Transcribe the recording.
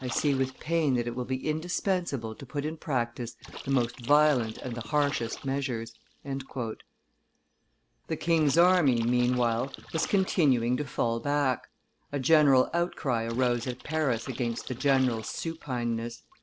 I see with pain that it will be indispensable to put in practice the most violent and the harshest measures." The king's army, meanwhile, was continuing to fall back; a general outcry arose at Paris against the general's supineness.